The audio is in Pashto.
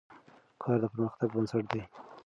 کار د پرمختګ بنسټ دی.